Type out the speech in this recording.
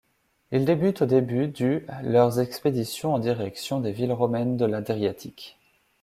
Ils débutent au début du leurs expéditions en direction des villes romaines de l'Adriatique.